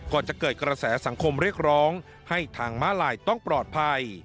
จะเกิดกระแสสังคมเรียกร้องให้ทางม้าลายต้องปลอดภัย